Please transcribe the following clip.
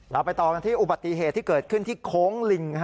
เราไปต่อกันที่อุบัติเหตุที่เกิดขึ้นที่โค้งลิง